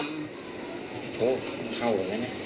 โอ้เข้าหรือไง